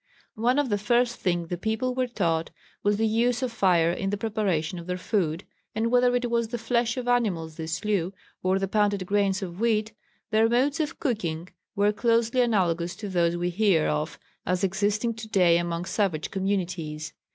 One of the first things the people were taught was the use of fire in the preparation of their food, and whether it was the flesh of animals they slew or the pounded grains of wheat, their modes of cooking were closely analogous to those we hear of as existing to day among savage communities.